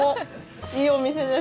いいお店です。